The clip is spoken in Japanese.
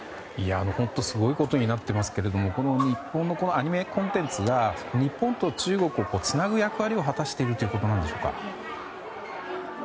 本当にすごいことになっていますが日本のアニメコンテンツが日本と中国をつなぐ役割を果たしているということですか。